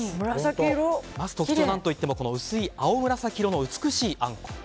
まず特徴はなんといっても薄い青紫色のあんこ。